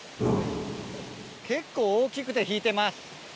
結構大きくて引いてます。